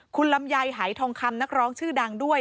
คุณลำไยหายทองคำนักร้องชื่อดังด้วย